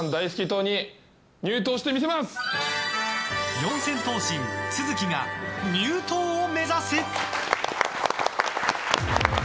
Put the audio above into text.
四千頭身・都築が入党を目指す！